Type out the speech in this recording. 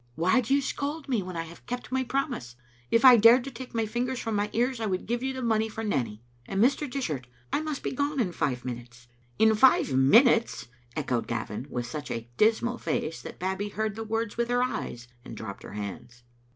Why do you scold me when I have kept my promise? If I dared to take my fingers from my ears I would give you the money for Nanny. And, Mr. Dishart, I must be gone in five minutes." " In five minutes!" echoed Gavin, with such a dismal face that Babbie heard the words with her eyes, and dropped her hands.